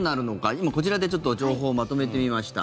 今、こちらでちょっと情報をまとめてみました。